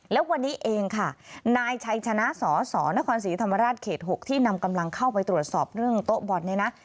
แล้ววันนี้เองค่ะนายชัยชนะสสนครศรีธรรมราชเขต๖ที่นำกำลังเข้าไปตรวจสอบเรื่องโต๊ะบอลเนี่ยนะ